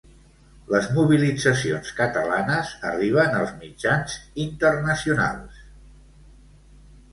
Les mobilitzacions catalanes arriben als mitjans internacionals.